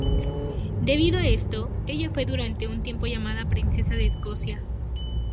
Debido a esto, ella fue durante un tiempo llamada princesa de Escocia.